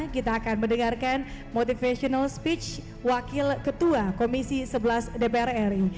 kita akan mendengarkan motivational speech wakil ketua komisi sebelas dpr ri